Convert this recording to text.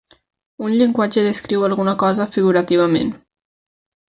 Un llenguatge descriu alguna cosa figurativament.